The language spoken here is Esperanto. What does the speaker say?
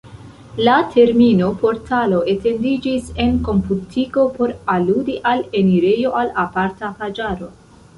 La termino "portalo" etendiĝis en komputiko por aludi al enirejo al aparta paĝaro.